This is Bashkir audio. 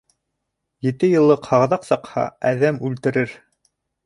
Ете йыллыҡ һағыҙаҡ саҡһа, әҙәм үлтерер.